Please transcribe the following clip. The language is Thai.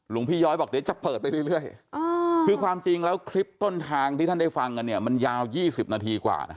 หลวงพี่ย้อยบอกเดี๋ยวจะเปิดไปเรื่อยคือความจริงแล้วคลิปต้นทางที่ท่านได้ฟังกันเนี่ยมันยาว๒๐นาทีกว่านะ